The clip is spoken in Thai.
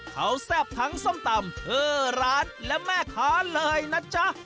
เขาแซ่บทั้งส้มตำเธอร้านและแม่ค้าเลยนะจ๊ะ